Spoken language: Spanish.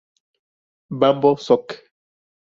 Bamboo Soc.